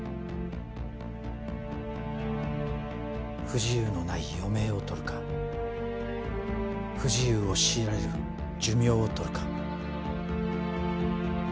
不自由のない余命を取るか不自由を強いられる寿命を取るか。